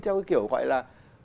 theo cái kiểu gọi là